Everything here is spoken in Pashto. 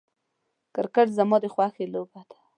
کرکټ زما د خوښې لوبه ده .